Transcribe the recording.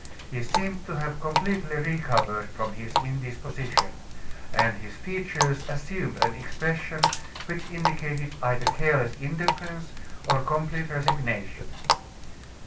He seemed to have completely recovered from his indisposition; and his features assumed an expression which indicated either careless indifference, or complete resignation.